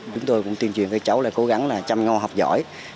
chúng tôi cũng tuyên truyền cho cháu là cố gắng là chăm ngon học giỏi